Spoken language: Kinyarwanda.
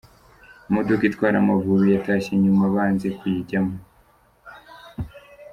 Imodoka itwara Amavubi yatashye nyuma banze kuyijyamo.